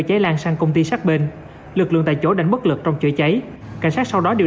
cháy lan sang công ty sát bên lực lượng tại chỗ đánh bất lực trong chữa cháy cảnh sát sau đó điều